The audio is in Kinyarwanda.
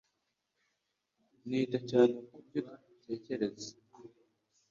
Nita cyane kubyo utekereza.